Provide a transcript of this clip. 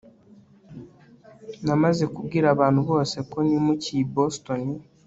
namaze kubwira abantu bose ko nimukiye i boston